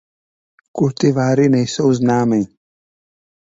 Kultivary nejsou známy.